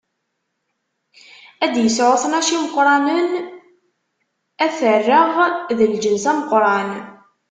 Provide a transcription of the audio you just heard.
Ad d-isɛu tnac n imeqranen, ad t-rreɣ d lǧens ameqran.